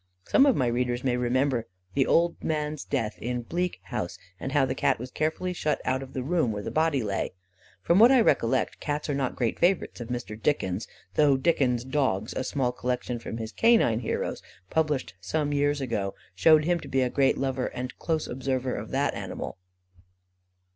Some of my readers may remember the old man's death in "Bleak House," and how the Cat was carefully shut out of the room where the body lay. From what I recollect, Cats are not great favourites of Mr. Dickens', though "Dickens' Dogs," a small collection from his canine heroes, published some years ago, showed him to be a great lover and close observer of that animal.